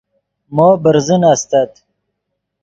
مو برزن استت